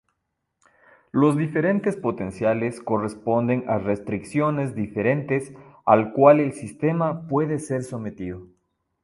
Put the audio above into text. Los diferentes potenciales corresponden a restricciones diferentes al cual el sistema puede ser sometido.